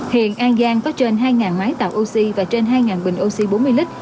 hiện an giang có trên hai máy tạo oxy và trên hai bình oxy bốn mươi lít